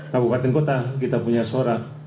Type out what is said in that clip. kabupaten kota kita punya suara